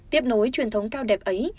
tiếp nối truyền thống cao đẹp ấy